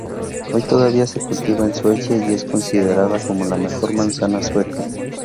Hoy todavía se cultiva en Suecia y es considerada como la mejor manzana sueca.